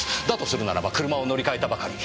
するならば車を乗り換えたばかり。